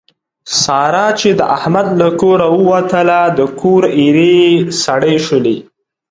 ساره چې د احمد له کوره ووتله د کور ایرې یې سړې شولې.